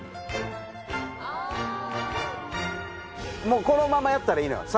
もうこのままやったらいいのよ。